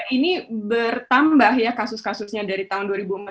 ini bertambah ya kasus kasusnya dari tahun dua ribu empat belas